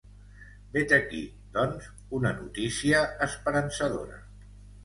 Vet aquí, doncs, una notícia esperançadora.